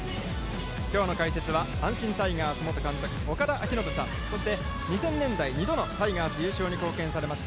きょうの解説は、阪神タイガース元監督岡田彰布さん、そして、２０００年代２度の優勝に貢献されました